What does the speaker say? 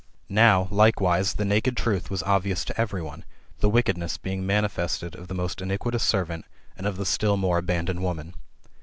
Now, likewise, the naked truth was obvious to every one, the wickedness being manifested of the most iniquitous servant, and of the still more abandoned woman.